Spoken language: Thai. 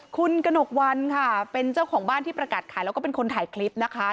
คุณกระหนกวันค่ะเป็นเจ้าของบ้านที่ประกาศขายแล้วก็เป็นคนถ่ายคลิปนะคะ